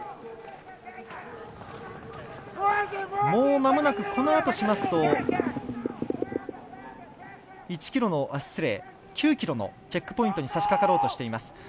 もうまもなく、このあとしますと９ｋｍのチェックポイントにさしかかろうとしています。